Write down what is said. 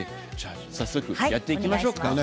早速やっていきましょうか。